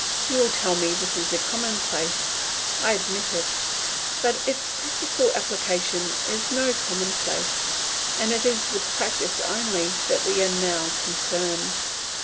You will tell me this is a commonplace; I admit it, but its practical application is no commonplace, and it is with practice only that we are now concerned.